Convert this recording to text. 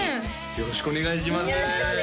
よろしくお願いします